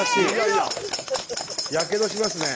やけどしますね。